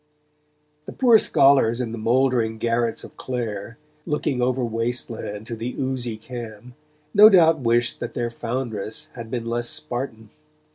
The poor scholars in the mouldering garrets of Clare, looking over waste land to the oozy Cam, no doubt wished that their foundress had been less Spartan.